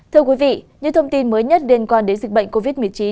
thưa quý vị những thông tin mới nhất liên quan đến dịch bệnh covid một mươi chín